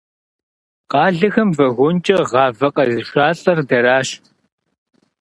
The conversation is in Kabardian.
Къалэхэм вагонкӏэ гъавэ къезышалӏэр дэращ.